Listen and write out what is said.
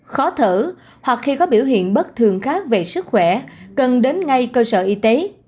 khó thở hoặc khi có biểu hiện bất thường khác về sức khỏe cần đến ngay cơ sở y tế